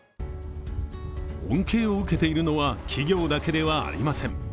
恩恵を受けているのは企業だけではありません。